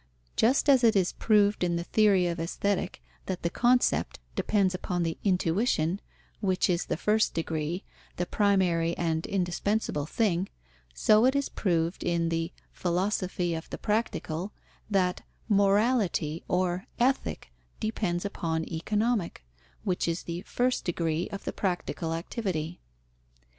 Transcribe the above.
Just as it is proved in the Theory of Aesthetic that the concept depends upon the intuition, which is the first degree, the primary and indispensable thing, so it is proved in the Philosophy of the Practical that Morality or Ethic depends upon Economic, which is the first degree of the practical activity.